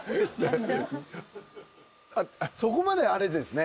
あっそこまであれですね